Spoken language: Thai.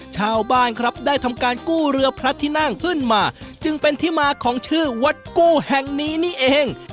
ชาวบ้านครับได้ทำการกู้เรือพระที่นั่งขึ้นมาจึงเป็นที่มาของชื่อวัดกู้แห่งนี้นี่เอง